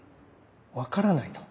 分からないと。